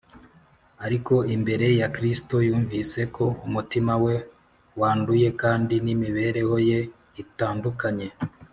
ariko imbere ya Kristo yumvise ko umutima we wanduye, kandi n’imibereho ye idatunganye.